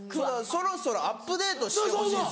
そろそろアップデートしてほしいですよね。